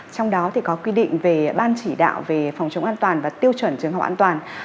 trong đó thì có quy định về ban chỉ đạo về phòng chống an toàn và tiêu chuẩn trường học an toàn